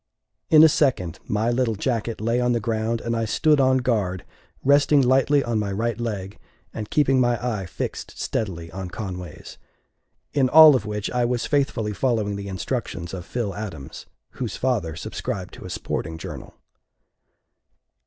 In a second my little jacket lay on the ground, and I stood on guard, resting lightly on my right leg and keeping my eye fixed steadily on Conway's in all of which I was faithfully following the instructions of Phil Adams, whose father subscribed to a sporting journal.